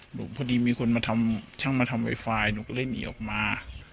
พอดีมีคนมาทำช่างมาทำไวไฟหนูก็เลยหนีออกมา